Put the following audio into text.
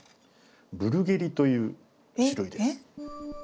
ブルゲリという種類です。